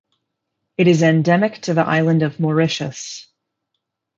It is endemic to the island of Mauritius.